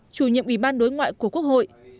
chủ nhiệm ủy ban đối ngoại của quốc hội